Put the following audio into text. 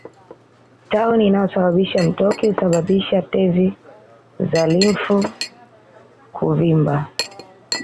Tauni inayosababisha mtoki husababisha tezi za limfu kuvimba